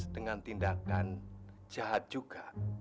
dengan tindakan jahat juga